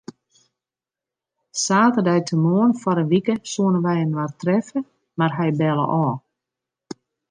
Saterdeitemoarn foar in wike soene wy inoar treffe, mar hy belle ôf.